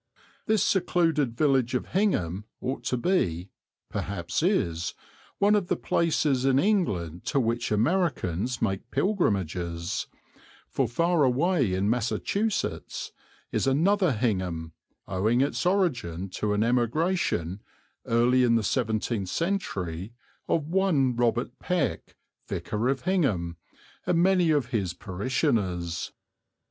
This secluded village of Hingham ought to be perhaps is one of the places in England to which Americans make pilgrimages, for far away in Massachusetts is another Hingham owing its origin to an emigration, early in the seventeenth century, of one Robert Peck, vicar of Hingham, and many of his parishioners.